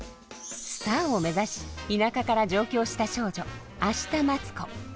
スターを目指し田舎から上京した少女明日待子。